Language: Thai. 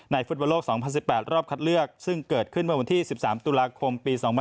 ฟุตบอลโลก๒๐๑๘รอบคัดเลือกซึ่งเกิดขึ้นเมื่อวันที่๑๓ตุลาคมปี๒๕๖